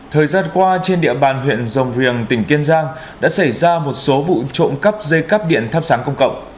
thời gian qua trên địa bàn huyện rồng riềng tỉnh kiên giang đã xảy ra một số vụ trộm cắp dây cắp điện thắp sáng công cộng